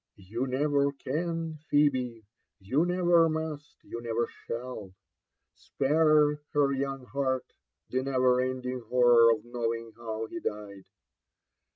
''You never can, Pbebe, — you never must, you never shall !< Spare her young heart the never lending horror of kpowing howF hs died.